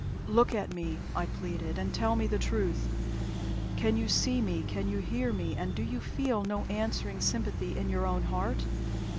"Look at me," I pleaded, "and tell me the truth. Can you see me, can you hear me, and do you feel no answering sympathy in your own heart?